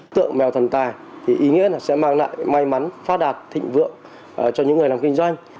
tượng mèo thần tài thì ý nghĩa là sẽ mang lại may mắn phát đạt thịnh vượng cho những người làm kinh doanh